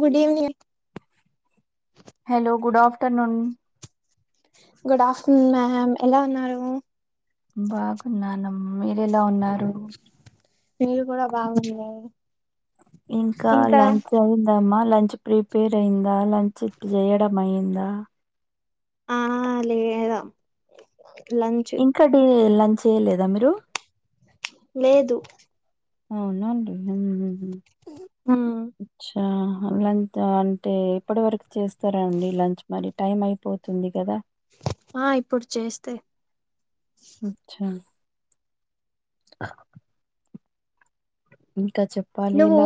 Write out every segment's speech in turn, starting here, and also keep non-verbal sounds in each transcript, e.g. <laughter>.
Good evening hello good afternoon good afternoon ma'am ఎలా ఉన్నారు బాగున్నానమ్ మీరు ఎలా ఉన్నారు మీరు కూడా బాగున్నా రా మేడం ఇంకా లంచ్ అయి ఏమ్మా లంచ్ ప్రిపేర్ అయిందా లంచ్ చేయడం అయియందా ఆ లేదు లంచ్ ఇంకా డి లంచ్ చేయలేదా మీరు లేదు ఆవునా అండి హమ్ ఉం హ లంచ్ అంటే ఎప్పటి వరకు చేస్తారాండి లంచ్ మరి టైం అయిపోతుంది కదా ఆ ఇప్పుడు చేస్తే అచ్చా ఇంకా చెప్పు నువ్వు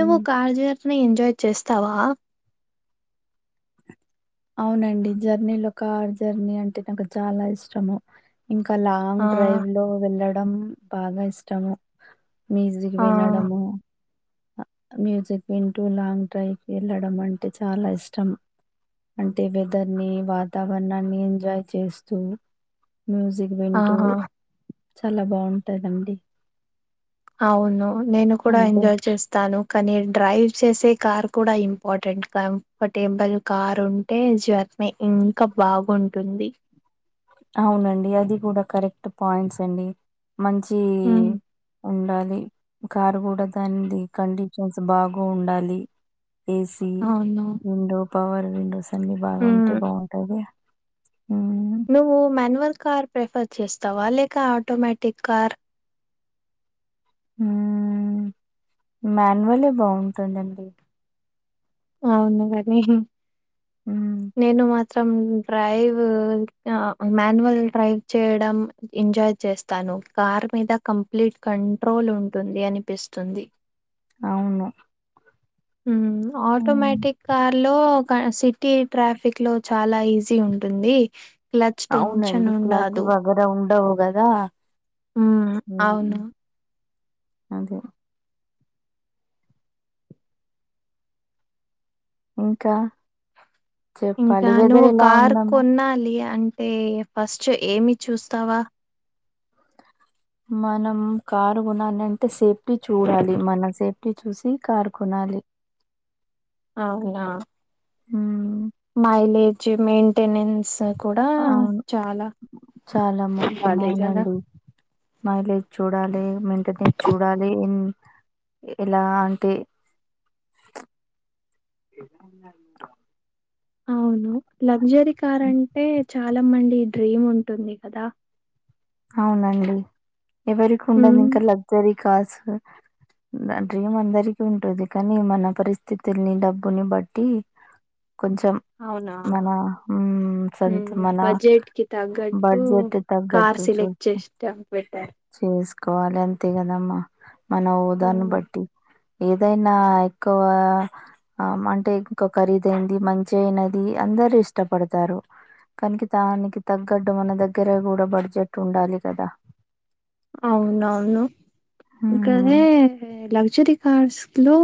నువ్వు కార్ జీర్ని ఎంజాయ్ చేస్తావా అవునండి జర్నీలో కార్ జర్నీ అంటే నాకు చాలా ఇష్టము ఇంకా లాంగ్ ఆ డ్రైవ్ లో వెళ్ళడం బాగా ఇష్టము <unintelligible> మ్యూజిక్ ఆ వినడము మ్యూజిక్ వింటూ లాంగ్ డ్రైవ్ కి వెళ్ళడం అంటే చాలా ఇష్టం అంటే వెదర్ ని వాతావరణాన్ని ఎంజాయ్ చేస్తూ మ్యూజిక్ వింటూ ఆహా చాలా బాగుంటాందండి అవును నేను కూడ అంటే ఎంజాయ్ చేస్తాను. కానీ డ్రైవ్ చేసే కార్ కూడా ఇంపార్టెంట్ కంఫర్టేబుల్ కార్ ఉ ఏం జత్మీ ఇంకా బాగుంటుంది అవునండి అది కూడ కరెక్ట్ పాయింట్స్ అండి మంచి మ్మ్. ఉండాలి కారు గూడా దాని కండిషన్స్ బాగు ఉండాలి. ఏసీ, అవును విండో పవర్, విండోస్ అన్ని బాగా ఉంటే మ్మ్ బాగుంటాది. ఊ నువ్వు మాన్యువల్ కార్ ప్రిఫర్ చేస్తావా లేక ఆటోమేటిక్ కార్ ఊ మాన్యువలే బాగుంటుందండి. అవును కాని హ్మ్. <inaudible> నేను మా సం డ్రైవు ఆ మాన్యువల్ డ్రైవ్ చేయడం ఎంజాయ్ చేస్త తను కార్ మీద కంప్లీట్ కంట్రోల్ ఉంటుంది అనిపిస్తుంది. అవును ఊ హ్మ్. ఆటోమేటిక్ కార్ లో కాసే టీ ట్రాఫిక్ లో చాలా ఈజీ ఉంటుంది క్లచ్ టెన్షన్ ఉండదు. ఒరో ఉండవు గదా హ్మ్ ఉ అవును. అదే ఇంకా ఇంకా చెప్పాలి. వెదర్ నువ్వు ఎలా కార్ ఉందమ్మా? కొన్నాలి అంటే ఫస్ట్ ఏమి చూస్తావా మనం కారు గొనాలి అంటే సేఫ్టీ చూడాలి, మన సేఫ్టీ చూసి కారు కొనాలి. అవునా ఊ మైలేజ్ మెంటెనెన్స్ కూడా అవును. చాలా చాలా ముఖ్యం. బాలే గదా అవునండి. మైలేజ్ చూడాలి, మెయింటనెన్స్ చూడాలి ఇం ఎలాంటి ఏ అవును లగ్జరీ కార్ అంటే చాలా మండి డ్రీమ్ ఉంటుంది కదా అవునండి ఎవరికి ఉండది ఉమ్, ఇంకా లగ్జరీ కార్స్ డ్రీమ్ అందరికి ఉంటుంది కానీ మన పరిస్థితుల్ని డబ్బుని బట్టి కొంచెం మన అవునవును ఉ సంత్ ఉమ్ మన బడ్జెట్ కి తగ్గట్టు బడ్జెట్ కార్ తగ్గట్ చూ సెలెక్ట్ చేస్టం బెటర్ చేసుకోవాలి అంతే గదమ్మా మనం వోదాన్ని ఉమ్, బట్టి ఏదైనా ఎక్కువ ఆమ్ అంటే ఇంకొ ఖరీదయింది మంచి అయినది అందరు ఇష్టపడతారు. కనికి తానికి తగ్గట్టు మన దగ్గరే కూడ బడ్జెట్ ఉండాలి కదా అవునవును హ్మ్, ఇంకనే లక్జరి కార్స్ లో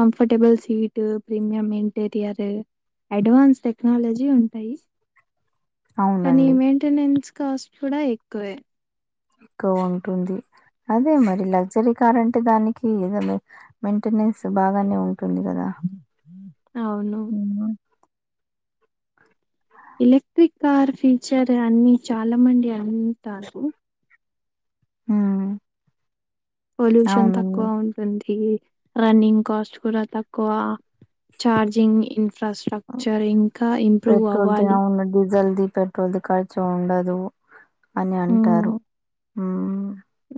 comfortable seat premium interior advance technology ఉంటయి కానీ అవునండి మెంటెనెన్స్ కాస్ట్ కూడా ఎక్కువే కోవ ఉంటుంది అదే మరి లగ్జరీ కార్ అంటే దానికి ఏదో మెంటెనెన్స్ బాగానే ఉం <inaudible> అవును ఎలక్ట్రిక్ కార్ ఫీచర్ అన్ని చాలా మంది అని ఉంటారు ఊ పొల్యూషన్ తక్కువ ఉం అంద్ది రన్నింగ్ కాస్ట్ కూడా తక్కువ, చార్జింగ్ ఇన్ ఫ్రాస్ట్రక్చర్ ఇంకా ఇంప్రూవ్ అవ్వాలి. ఇంగ డిజల్ది, పెట్రోల్ది ఖర్చు ఉండదు అని అంటారు. హ్మ్ ఉమ్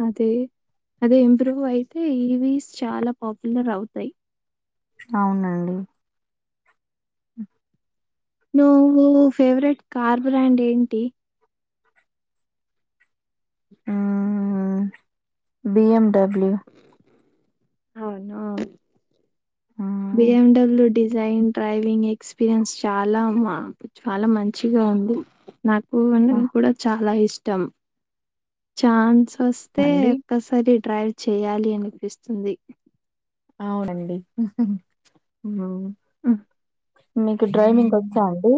అదే అదే ఇంప్రూవ్ అయితే ఈవీస్ చాలా పాపులర్ అవుతయి. అవునండి. నువ్వు ఫేవరెట్ కార్ బ్రాండ్ ఏంటి? ఆహా బిఎమ్డబ్ల్యూ. అవునా B um M W design, driving experience చాలా మ చాలా మంచిగా ఉంది. నాకు <inaudible> కూడా చాలా ఇష్టం. ఛాన్స్ వస్తే అండి ఒక్కసారి డ్రైవ్ చేయాలి అనిపిస్తుంది. అవునండి ఉహ్ ఉ అవును. అ మీకు డ్రైవింగ్ వచ్చాఅండి?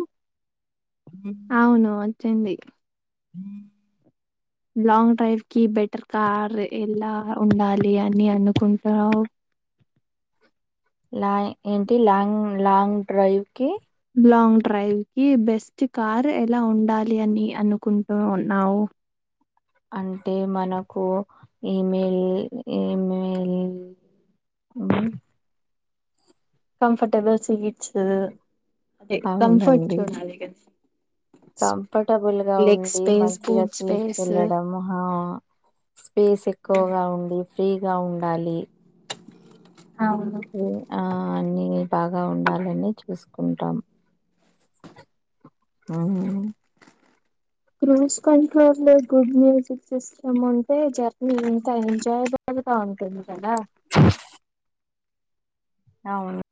అవును వచ్చండి. హ <inaudible> లాంగ్ డ్రైవ్ కి బెటర్ కార్ ఎలా ఉండాలి అని అనుకుంటావు. లాయి ఏంటి లాంగ్ లాంగ్ డ్రైవ్ కి లాంగ్ డ్రైవ్ కి బెస్ట్ కార్ ఎలా ఉండాలి అని అనుకుంటు ఉన్నావు. అంటే మనకు ఈమెయిల్ ఈమెయిల్ ఉహ్ కంఫర్టబుల్ సీట్స్ అదే కంఫర్ట్ చూడాలి ఇగ. కంఫర్టబుల్గా ఉండి మంచిగా బూట్ స్పేస్ తీసుకెళ్లడం హా స్పేస్ ఎక్కువగా ఉండి ఫ్రీగా ఉండాలి. అవును. ఆ అన్ని బాగా ఉండాలని చూసుకుంటాం. ఆహా క్రూస్ కంట్రోర్లో గుడ్ మ్యూజిక్ సిస్టమ్ ఉంటే జర్నీ ఎంత ఎంజాయబుల్గా ఉంటుంది కదా. స <inaudible> అవును.